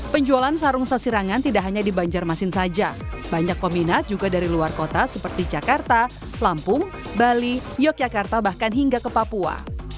penjualan sarung sasirangan tidak hanya di banjarmasin saja banyak peminat juga dari luar kota seperti jakarta lampung bali yogyakarta bahkan hingga ke papua